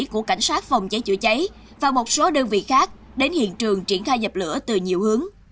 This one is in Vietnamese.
của cảnh sát phòng cháy chữa cháy và một số đơn vị khác đến hiện trường triển khai dập lửa từ nhiều hướng